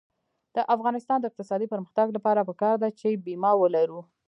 د افغانستان د اقتصادي پرمختګ لپاره پکار ده چې بیمه ولرو.